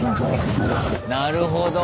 なるほど。